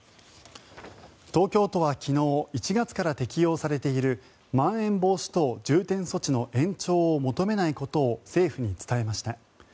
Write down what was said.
東京都は昨日１月から適用されているまん延防止等重点措置の延長を求めないことを政府に伝えました。